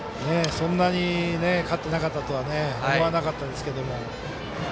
そんなに勝ってなかったとは思わなかったですけど。